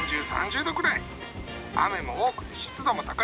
雨も多くて湿度も高い。